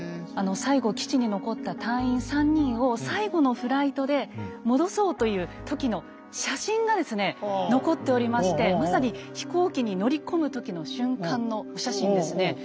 最後基地に残った隊員３人を最後のフライトで戻そうという時の写真がですね残っておりましてまさに飛行機に乗り込む時の瞬間のお写真ですね。